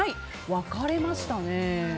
分かれましたね。